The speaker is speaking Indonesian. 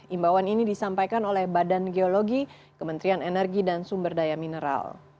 imbauan ini disampaikan oleh badan geologi kementerian energi dan sumber daya mineral